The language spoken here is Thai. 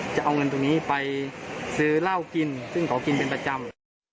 จะเอาเงินตรงนี้ไปซื้อเหล้ากินซึ่งเขากินเป็นประจำ